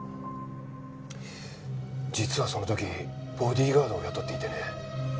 実はその時ボディーガードを雇っていてね。